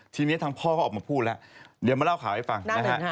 ทีนี้ทางพ่อเขาออกมาพูดแล้วเดี๋ยวมาเล่าข่าวให้ฟังนะฮะ